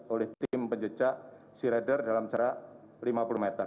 oleh tim penjejak searider dalam jarak lima puluh meter